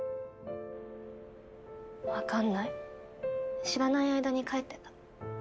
わかんない知らない間に帰ってた。